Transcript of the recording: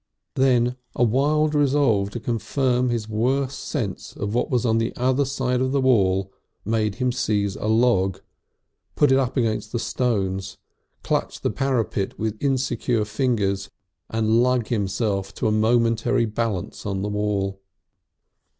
Then a wild resolve to confirm his worst sense of what was on the other side of the wall made him seize a log, put it against the stones, clutch the parapet with insecure fingers, and lug himself to a momentary balance on the wall.